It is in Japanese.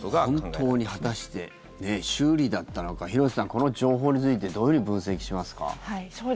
本当に果たして修理だったのか廣瀬さん、この情報についてどういうふうに分析しますか？